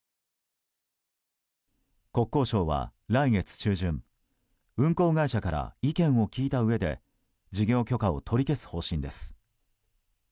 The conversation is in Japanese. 国交省は来月中旬運航会社から意見を聞いたうえで事業許可を取り消す方針です。